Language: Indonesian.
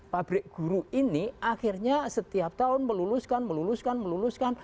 pabrik guru ini akhirnya setiap tahun meluluskan meluluskan meluluskan